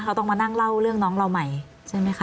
เขาต้องมานั่งเล่าเรื่องน้องเราใหม่ใช่ไหมคะ